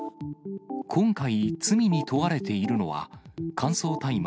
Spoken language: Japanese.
今回、罪に問われているのは、乾燥大麻